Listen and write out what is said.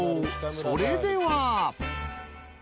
それでは］